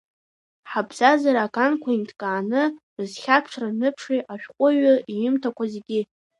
Ҳабзазара аганқәа инҭкааны рызхьаԥшра рныԥшуеит ашәҟәыҩҩы иҩымҭақәа зегьы.